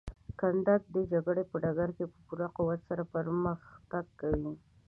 کنډک د جګړې په ډګر کې په پوره قوت سره پرمختګ کوي.